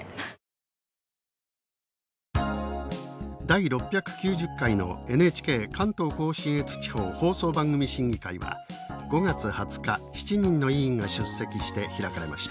第６９０回のＮＨＫ関東甲信越地方放送番組審議会は５月２０日７人の委員が出席して開かれました。